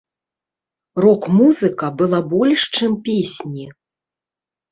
Рок-музыка была больш чым песні.